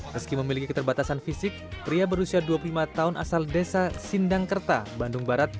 meski memiliki keterbatasan fisik pria berusia dua puluh lima tahun asal desa sindangkerta bandung barat